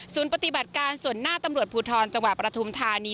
ศูนย์ปฏิบัติการส่วนหน้าตำรวจภูทรจังหวะประธุมธานี